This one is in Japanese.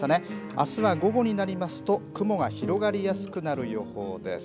あすは午後になりますと雲が広がりやすくなる予報です。